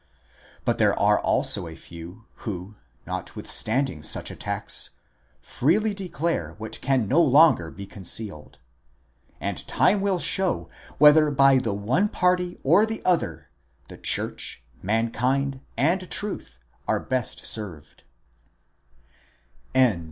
But there are also a few, who, notwithstanding such attacks, freely declare what can no longer be concealed—and time will show whether by the one party or the other, the Church, Mankind, and Truth are best served.